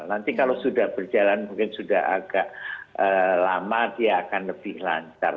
nanti kalau sudah berjalan mungkin sudah agak lama dia akan lebih lancar